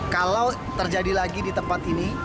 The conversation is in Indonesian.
kalau terjadi lagi di tempat ini